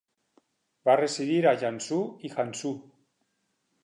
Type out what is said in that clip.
Va residir a Yangzhou i Hangzhou.